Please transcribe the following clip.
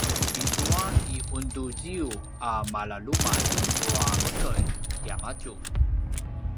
izua i unduziyu a malalumalj tua mekelj tiamadju